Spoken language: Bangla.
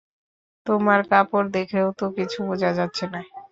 তোমার কাপড় দেখেও তো কিছু বোঝা যাচ্ছে না।